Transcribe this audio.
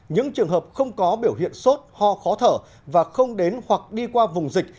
những trường hợp không có biểu hiện sốt ho khó thở và không đến hoặc đi qua vùng dịch